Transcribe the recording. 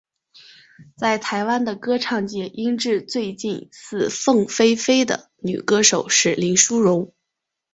在台湾的歌唱界音质最近似凤飞飞的女歌手是林淑容。